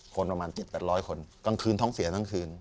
คนประมาณ๗๘๐๐คนกลางคืนท้องเสียทั้งคืน